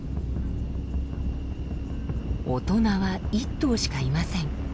大人は１頭しかいません。